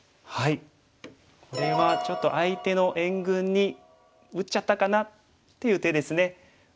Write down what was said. これはちょっと相手の援軍に打っちゃったかなっていう手ですね。